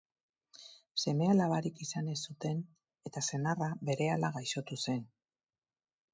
Seme-alabarik izan ez zuten eta senarra berehala gaixotu zen.